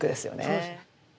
そうですね。